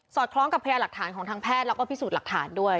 คล้องกับพยาหลักฐานของทางแพทย์แล้วก็พิสูจน์หลักฐานด้วย